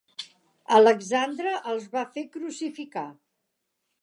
Alexandre els va fer crucificar.